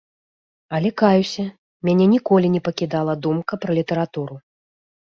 Але каюся, мяне ніколі не пакідала думка пра літаратуру.